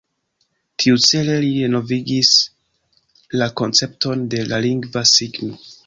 Tiucele li renovigis la koncepton de la lingva signo.